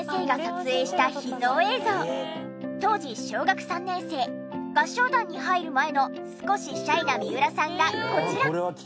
当時小学３年生合唱団に入る前の少しシャイな三浦さんがこちら。